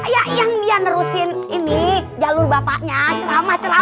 ya yang dia nerusin ini jalur bapaknya ceramah ceramah